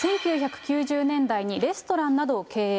１９９０年代にレストランなどを経営。